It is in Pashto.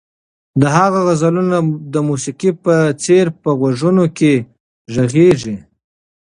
د هغه غزلونه د موسیقۍ په څېر په غوږونو کې غږېږي.